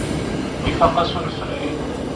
Ifaq-as unefray.